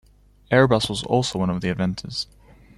Airbus was also one of the investors.